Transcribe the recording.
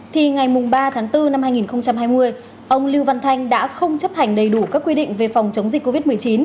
thì ngày ba tháng bốn năm hai nghìn hai mươi ông lưu văn thanh đã không chấp hành đầy đủ các quy định về phòng chống dịch covid một mươi chín